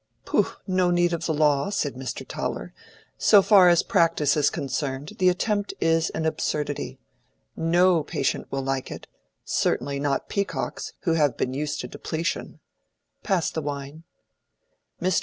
"Pooh! no need of law," said Mr. Toller. "So far as practice is concerned the attempt is an absurdity. No patient will like it—certainly not Peacock's, who have been used to depletion. Pass the wine." Mr.